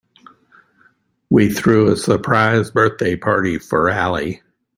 We threw a surprise birthday party for Ali.